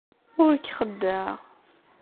Ur k-xeddɛeɣ.